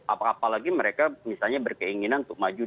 apalagi mereka misalnya berkeinginan untuk maju di dua ribu dua puluh empat